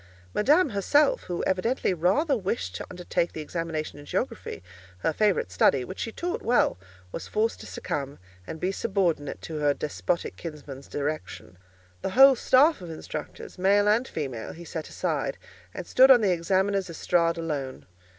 Madame herself, who evidently rather wished to undertake the examination in geography—her favourite study, which she taught well—was forced to succumb, and be subordinate to her despotic kinsman's direction. The whole staff of instructors, male and female, he set aside, and stood on the examiner's estrade alone.